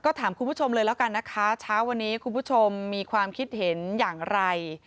ก็ถามคุณผู้ชมเลยแล้วกันนะคะเช้าวันนี้คุณผู้ชมมีความคิดเห็นอย่างไร